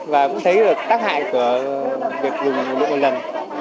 và cũng thấy được tác hại của việc dùng đồ nhựa một lần